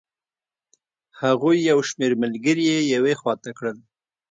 هغوی یو شمېر ملګري یې یوې خوا ته کړل.